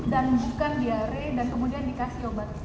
dan bukan diare dan kemudian dikasih obat